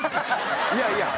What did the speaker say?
いやいや。